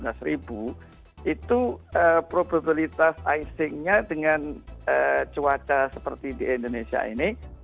nah itu probabilitas icing nya dengan cuaca seperti di indonesia ini